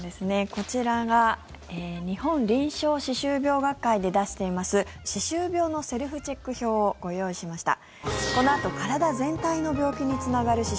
こちらが日本臨床歯周病学会で出しています歯周病のセルフチェック表をご用意しました。